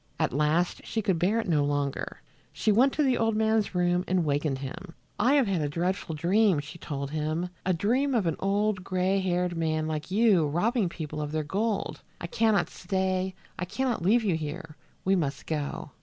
At last she could bear it no longer. She went to the old man's room and wakened him. "I have had a dreadful dream," she told him, "a dream of an old gray haired man like you robbing people of their gold. I can not stay! I can not leave you here. We must go."